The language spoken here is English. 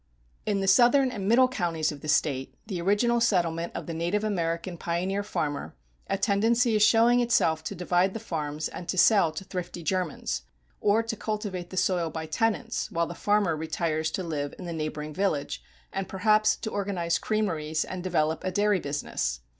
In the southern and middle counties of the State, the original settlement of the native American pioneer farmer, a tendency is showing itself to divide the farms and to sell to thrifty Germans, or to cultivate the soil by tenants, while the farmer retires to live in the neighboring village, and perhaps to organize creameries and develop a dairy business.